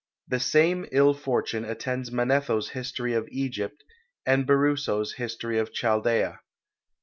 The same ill fortune attends Manetho's history of Egypt, and Berosu's history of Chaldea.